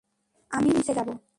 আমি নিচে যাবো।